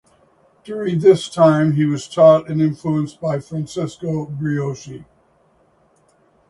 During this time he was taught and influenced by Francesco Brioschi.